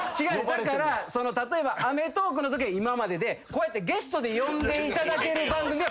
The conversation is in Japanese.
だから例えば『アメトーーク！』のときは今まででゲストで呼んでいただける番組はこれとか。